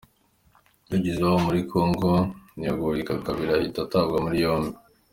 Yageze iwabo muri Congo ntiyagoheka kabiri ahita atabwa muri yombi.